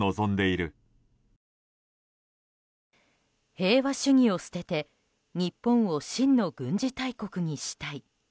平和主義を捨てて日本を真の軍事大国にしたい。